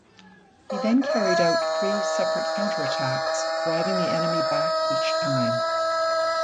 He then carried out three separate counterattacks, driving the enemy back each time.